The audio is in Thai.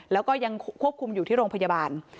แล้วก็ยังควบคุมอยู่ที่โรงพยาบาล